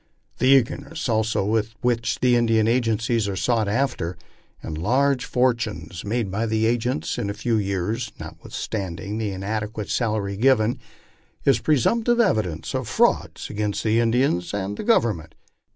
The eagerness also with which Indian agencies are sought after, and large fortunes made by the agents in a few years, notwithstanding the inadequate salary given, is pre sumptive evidence of frauds against the Indians and the Government.